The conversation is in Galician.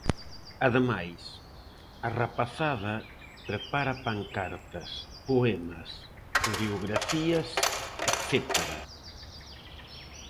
Ademais, a rapazada prepara pancartas, poemas, coreografías etcétera.